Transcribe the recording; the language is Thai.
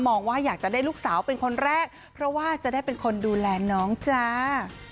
ว่าอยากจะได้ลูกสาวเป็นคนแรกเพราะว่าจะได้เป็นคนดูแลน้องจ้า